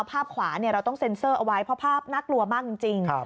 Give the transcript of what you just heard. ภาพขวาเราต้องเซ็นเซอร์เอาไว้เพราะภาพน่ากลัวมากจริง